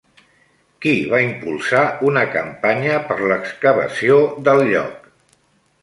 Qui va impulsar una campanya per l'excavació del lloc?